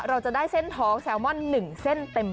เราจะได้เส้นท้องแซลมอน๑เส้นเต็ม